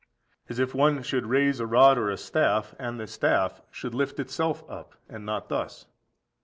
As if one should raise a rod or a staff, and the staff should lift itself up: and not thus.